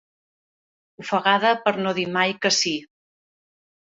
Ofegada per no dir mai que sí.